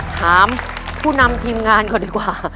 ถามผู้นำทีมงานก่อนดีกว่า